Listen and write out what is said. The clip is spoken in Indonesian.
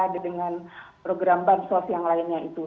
dengan program bamsos yang lainnya itu